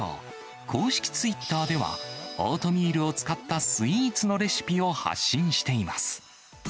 公式ツイッターでは、オートミールを使ったスイーツのレシピを発信しています。